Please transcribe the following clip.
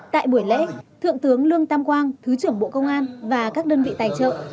tại buổi lễ thượng tướng lương tam quang thứ trưởng bộ công an và các đơn vị tài trợ